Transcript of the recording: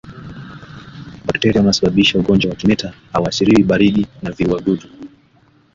Bakteria wanaosababisha ugonjwa wa kimeta hawaathiriwi baridi na viua dudu